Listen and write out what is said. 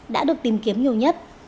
đã được tìm kiếm nhiều nhất